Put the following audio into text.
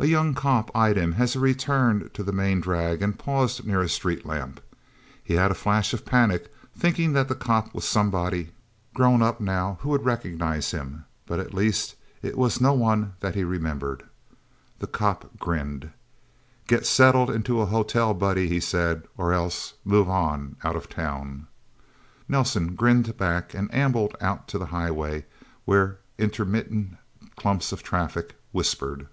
A young cop eyed him as he returned to the main drag and paused near a street lamp. He had a flash of panic, thinking that the cop was somebody, grown up, now, who would recognize him. But at least it was no one that he remembered. The cop grinned. "Get settled in a hotel, buddy," he said. "Or else move on, out of town." Nelsen grinned back, and ambled out to the highway, where intermittent clumps of traffic whispered.